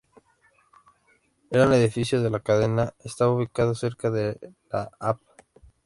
Era un edificio de la cadena, estaba ubicado cerca la Av.